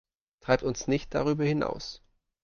Treibt uns nicht darüber hinaus.